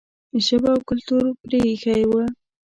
ژبه او کلتور پرې ایښی و.